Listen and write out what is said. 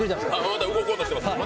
また動こうとしてます。